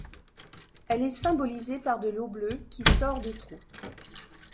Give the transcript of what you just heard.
Elle est symbolisée par de l'eau bleue qui sort des trous.